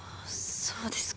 そうですか。